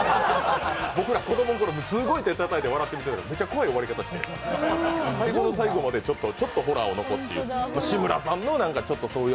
僕ら子供のころ、手たたいて笑ってたのにめっちゃ怖い終わり方して、最後の最後までちょっとホラーを残すという。